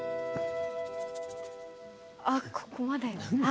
ああ、ここまで。